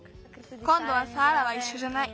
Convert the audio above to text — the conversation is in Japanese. こんどはサーラはいっしょじゃない。